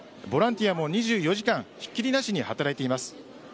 ボランティアも２４時間ひっきりなしに働いています。